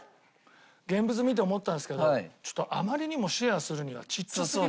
現物見て思ったんですけどちょっとあまりにもシェアするにはちっちゃすぎるんですよ。